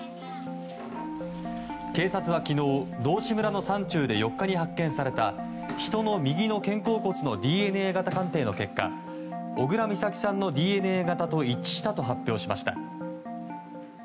警察は昨日、道志村の山中で４日に発見された人の右の肩甲骨のＤＮＡ型鑑定の結果小倉美咲さんのＤＮＡ型と一致したと発表しました。